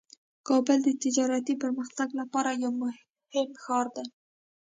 کابل د تجارتي پرمختګ لپاره یو مهم ښار دی.